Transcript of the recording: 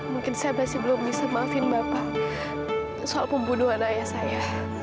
mungkin saya masih belum bisa maafin bapak soal pembunuhan ayah saya